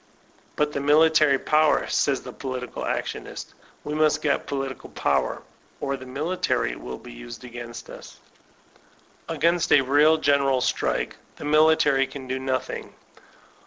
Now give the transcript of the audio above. "But the military power," says the political actionist; "we must get political power, or the military will be used against us I" Against a real General Strike, the military can do 242 VOLTAIRINB DB CLBVXB nothing.